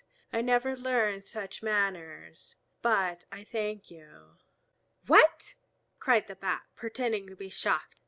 I never learned such manners. But I thank you." "What!" cried the Bat, pretending to be shocked.